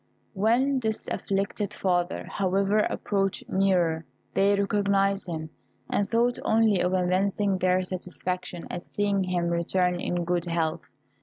When this afflicted father, however, approached nearer, they recognised him, and thought only of evincing their satisfaction at seeing him return in good health.